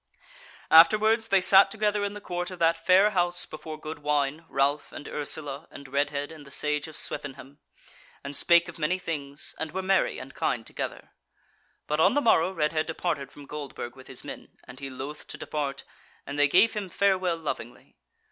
Afterwards they sat together in the court of that fair house before good wine, Ralph and Ursula, and Redhead and the Sage of Swevenham, and spake of many things, and were merry and kind together. But on the morrow Redhead departed from Goldburg with his men, and he loth to depart, and they gave him farewell lovingly.